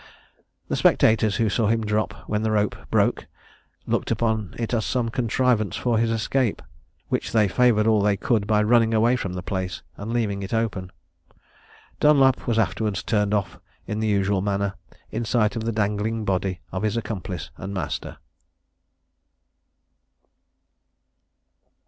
The spectators, who saw him drop when the rope broke, looked upon it as some contrivance for his escape, which they favoured all they could by running away from the place, and leaving it open. Dunlap was afterwards turned off in the usual manner, in sight of the dangling body of his accomplice and master.